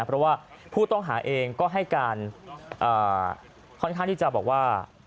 เพราะว่าผู้ต้องหาเองก็ให้การที่จะบอกว่า